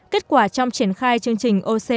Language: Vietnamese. kết quả trong triển khai chương trình ocop